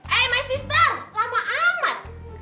eh my sister lama amat